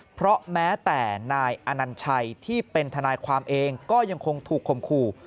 เพราะแม้แต่นายอนัญชัยที่เป็นทนายความเองก็ยังคงถูกคมขู่